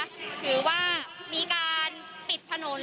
ถือว่ามีการปิดถนน